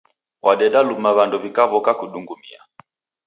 Wadeda luma w'andu w'ikaw'oka kudungumia.